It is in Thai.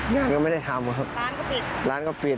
งานก็ไม่ได้ทำครับร้านก็ปิด